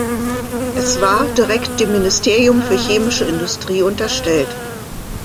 Es war direkt dem Ministerium für Chemische Industrie unterstellt.